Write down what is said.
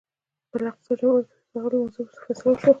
په الاقصی جومات کې تر سهار لمانځه وروسته فیصله وشوه.